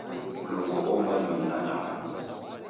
Mlungu oumba nyonyi na nyamandu.